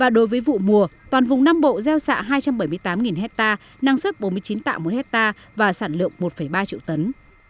và đối với vụ mùa toàn vùng nam bộ gieo xạ hai trăm bảy mươi tám hectare năng suất bốn mươi chín tạ một hectare và sản lượng một ba triệu tấn